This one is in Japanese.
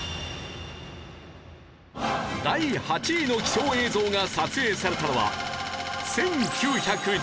第８位の貴重映像が撮影されたのは。